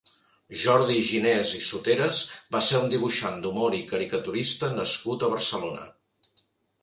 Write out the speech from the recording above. Jordi Ginés i Soteras va ser un dibuixant d'humor i caricaturista nascut a Barcelona.